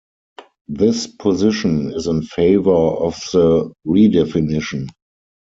This position is in favor of the redefinition.